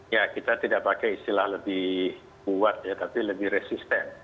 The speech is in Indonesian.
ya kita tidak pakai istilah lebih kuat ya tapi lebih resisten